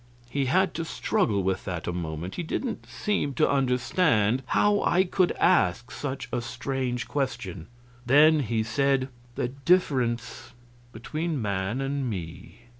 He had to struggle with that a moment; he didn't seem to understand how I could ask such a strange question. Then he said: "The difference between man and me?